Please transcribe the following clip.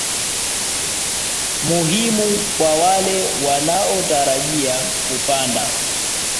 muhimu kwa wale wanaotarajia kupanda